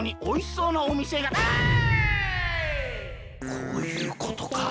こういうことか。